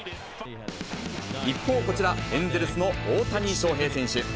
一方、こちらエンゼルスの大谷翔平選手。